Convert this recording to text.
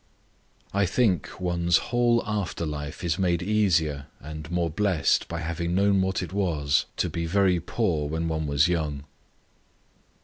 I think, one's whole after life is made easier and more blessed by having known what it was to be very poor when one was young.